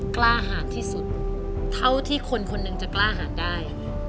กล้าหาดที่สุดเท่าที่คนคนหนึ่งจะกล้าหาได้